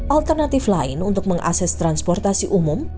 alternatif lain untuk mengakses transportasi umum